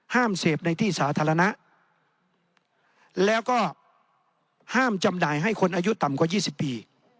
ห้ามเสพในที่สาธารณะแล้วก็ห้ามจำหน่ายให้คนอายุต่ำกว่า๒๐ปี